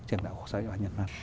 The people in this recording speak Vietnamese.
trường đại học học sợi và nhân văn